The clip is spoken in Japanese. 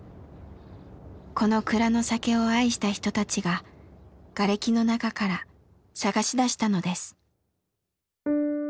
この蔵の酒を愛した人たちがガレキの中から探し出したのです。